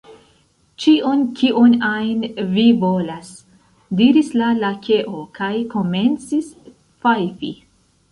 "Ĉion, kion ajn vi volas!" diris la Lakeo, kaj komencis fajfi.